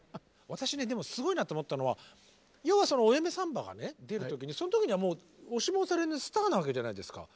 私ねでもすごいなと思ったのは要はその「お嫁サンバ」が出る時にその時にはもう押しも押されぬスターなわけじゃないですか。